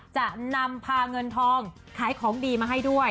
จะนำพาเงินทองขายของดีมาให้ด้วย